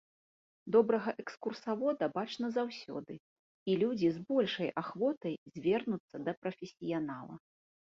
Добрага экскурсавода бачна заўсёды, і людзі з большай ахвотай звернуцца да прафесіянала.